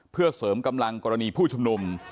เพื่อเสริมกำลังกรณีผู้ชุมนุม